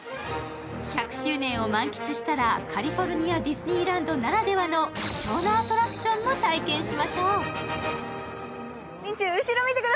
１００周年を満喫したらカリフォルニアディズニーランドならではの貴重なアトラクションも体験しましょう。